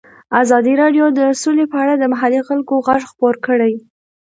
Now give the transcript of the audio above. ازادي راډیو د سوله په اړه د محلي خلکو غږ خپور کړی.